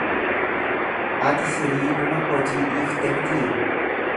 Ati siriidhuma hojii dhiifte mitii?